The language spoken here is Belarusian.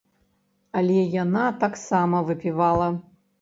Але яна таксама выпівала.